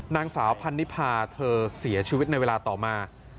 นางสาวพันนิพาเธอเสียชีวิตในเวลาต่อมา